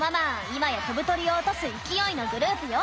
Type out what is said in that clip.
今や飛ぶ鳥を落とす勢いのグループよ。